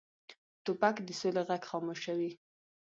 توپک د سولې غږ خاموشوي.